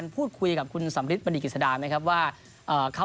พูดคุยของคุณสำฤทธิ์มนตริกฤษฎาว่า